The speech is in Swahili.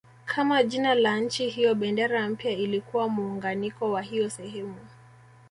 Kama jina la nchi hiyo bendera mpya ilikuwa muunganiko wa hiyo sehemu